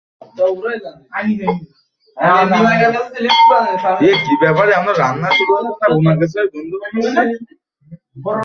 তিনি সামাজিক সংস্কার আগ্রহী ছিলেন।